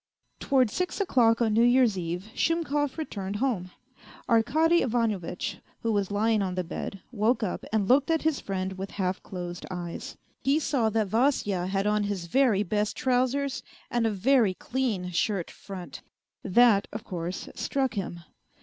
Towards six o'clock on New Year's Eve Shumkov returned home. Arkady Ivanovitch, who was lying on the bed, woke up and looked at his friend with half closed eyes. He saw that Vasya had on his very best trousers and a very clean shirt front. That, of course, struck him.